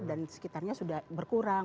dan sekitarnya sudah berkurang